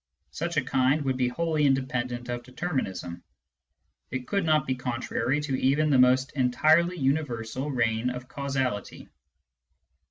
Such a kind would be wholly independent of determinism : it could not be contrary to even the most entirely universal reign of causality.